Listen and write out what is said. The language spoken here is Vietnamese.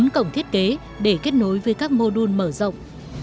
bốn cổng thiết kế để kết nối với các mô đun mở rộng